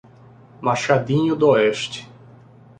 Machadinho d'Oeste